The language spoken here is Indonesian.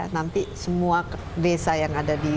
nanti semua desa yang ada di